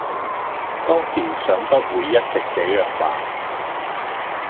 當時想不會一直這樣吧！